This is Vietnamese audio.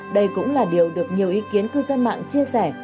đây cũng là điều được nhiều ý kiến cư dân mạng chia sẻ